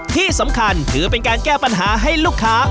ที่สำคัญถือเป็นการแก้ปัญหาให้ลูกค้า